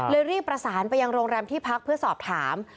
ลืมรีบประสานไปยังโรงแรมที่ภักดิ์ด้วยเพื่อสอบถาม